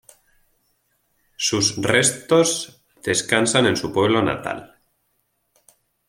Sus restos descansan en su pueblo natal.